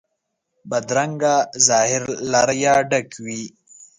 بدرنګه ظاهر له ریا ډک وي